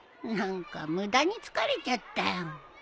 何か無駄に疲れちゃったよ。